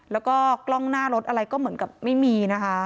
แล้วก็กล้องหน้ารถอะไรก็เหมือนกับไม่มีนะคะ